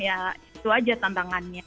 ya itu aja tantangannya